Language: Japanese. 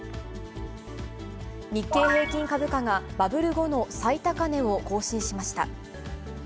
日経平均株価がバブル後の最高値を更新しました。